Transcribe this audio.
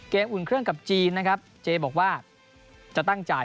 อุ่นเครื่องกับจีนนะครับเจบอกว่าจะตั้งจ่าย